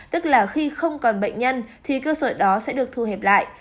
tức là khi không còn bệnh nhân thì cơ sở đó sẽ được thu hẹp lại